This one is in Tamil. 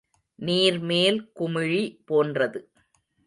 நீர்மேல் குமிழி போன்றது.